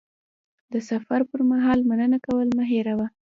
د سفر پر مهال مننه کول مه هېروه.